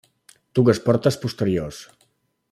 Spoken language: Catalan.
Dues portes posteriors.